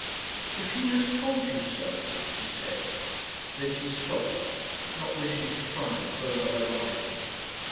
"If he has told you so," she said then she stopped, not wishing to triumph over her rival.